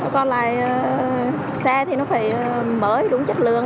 còn xe thì nó phải mới đúng chất lượng